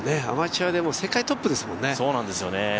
アマチュアでも世界トップですもんね。